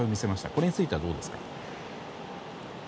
これについてはどうですか？